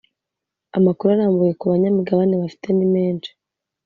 Amakuru arambuye ku banyamigabane bafite nimeshi